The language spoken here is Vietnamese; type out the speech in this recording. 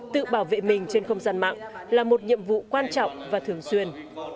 tự bảo vệ mình trên không gian mạng là một nhiệm vụ quan trọng và thường xuyên